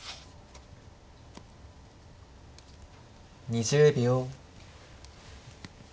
２０秒。